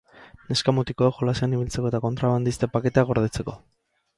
Neska-mutikoek jolasean ibiltzeko eta kontrabandistek paketeak gordetzeko.